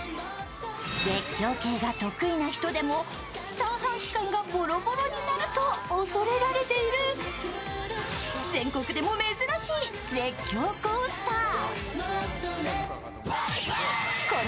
絶叫系が得意な人でも三半規管がボロボロになると恐れられている全国でも珍しい絶叫コースター。